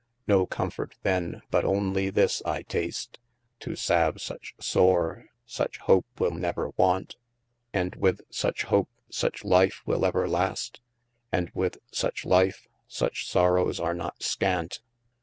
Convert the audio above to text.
No comfort then but only this I tast, To salve such sore, such hope will never want, And with such hope, such life will ever last, And with such life, such sorrowes are not skant.